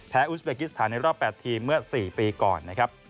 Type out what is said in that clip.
แพ้อุสเบกิสถานในรอบ๘ทีมเมื่อ๔ปีก่อน